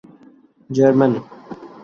German